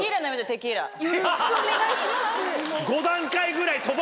よろしくお願いします！